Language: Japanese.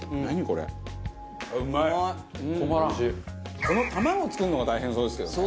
この卵を作るのが大変そうですけどね。